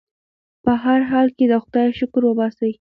په هر حال کې د خدای شکر وباسئ.